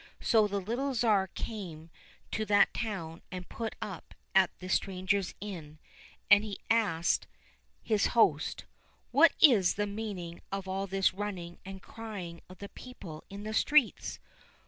So the little Tsar came to that town and put up at the stranger's inn, and he asked his host, " What is the meaning of all this running and crying of the people in the streets